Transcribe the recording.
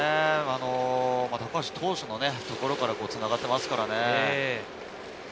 高橋投手のところから繋がってますからね。